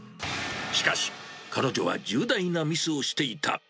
しかし、彼女は重大なミスをしていた。